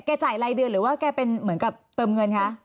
จ่ายรายเดือนหรือว่าแกเป็นเหมือนกับเติมเงินคะ